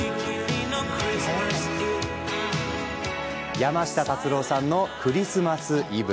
山下達郎さんの「クリスマス・イブ」。